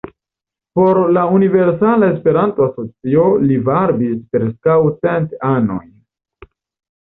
Por la Universala Esperanto-Asocio li varbis preskaŭ cent anojn.